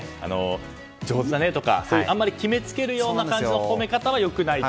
上手だねとかあんまり決めつけるような感じの褒め方はよくないと。